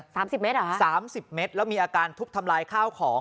สามสิบเมตรเหรอฮะสามสิบเมตรแล้วมีอาการทุบทำลายข้าวของ